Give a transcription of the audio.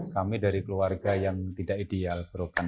kami dari keluarga yang tidak ideal berokan